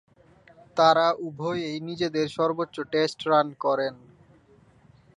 তারা উভয়েই নিজেদের সর্বোচ্চ টেস্ট রান করেন।